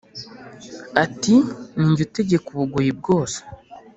Ati: "Ni jye utegeka Ubugoyi bwose